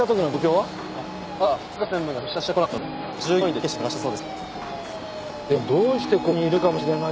はい。